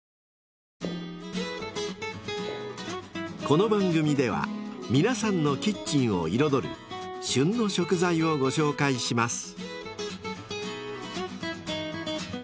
［この番組では皆さんのキッチンを彩る「旬の食材」をご紹介します］